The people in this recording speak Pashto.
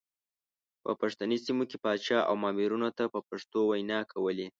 په پښتني سیمو کې پاچا او مامورینو ته په پښتو ویناوې کولې.